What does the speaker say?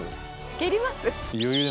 蹴ります？